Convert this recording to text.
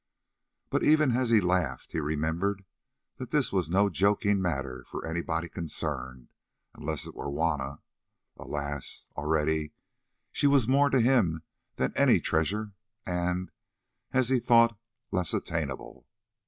But even as he laughed, he remembered that this was no joking matter for anybody concerned, unless it were Juanna. Alas! already she was more to him than any treasure, and, as he thought, less attainable.